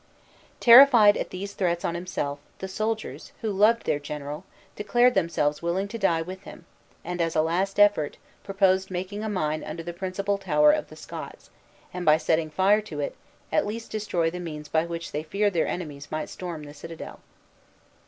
Terrified at these threats on himself, the soldiers, who loved their general, declared themselves willing to die with him; and, as a last effort, proposed making a mine under the principal tower of the Scots; and by setting fire to it, at least destroy the means by which they feared their enemies might storm the citadel.